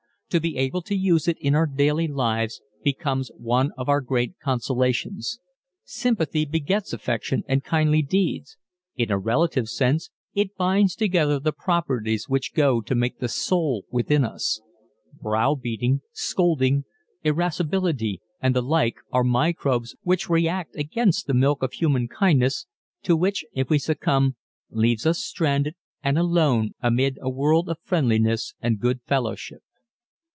To be able to use it in our daily lives becomes one of our greatest consolations. Sympathy begets affection and kindly deeds in a relative sense it binds together the properties which go to make the soul within us. Browbeating, scolding, irascibility and the like are microbes which react against the milk of human kindness, to which, if we succumb, leaves us stranded and alone amid a world of friendliness and good fellowship.